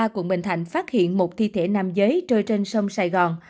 quận bình thạnh phát hiện một thi thể nam giới trôi trên sông sài gòn